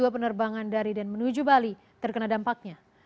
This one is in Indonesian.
empat ratus dua penerbangan dari dan menuju bali terkena dampaknya